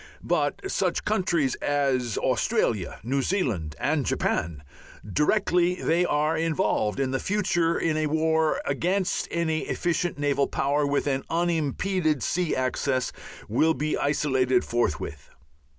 but such countries as Australia, New Zealand, and Japan, directly they are involved in the future in a war against any efficient naval power with an unimpeded sea access, will be isolated forthwith.